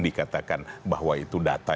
dikatakan bahwa itu data